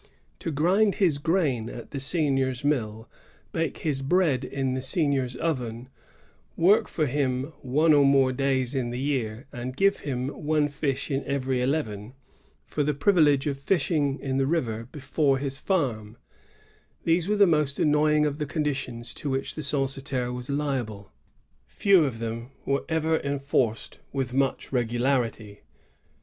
To grind his grain at the seignior's mill, bake his bread in the seignior's oven, work for him one or more days in the year, and give him one fish in every eleven, for the privilege of fishing in the river before his farm, — these were the most annoying of the conditions to which the censitaire was liable. Few of them were enforced with much regularity.